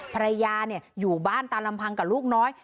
ภรรยาอยู่บ้านตามลำพังกับลูกน้อย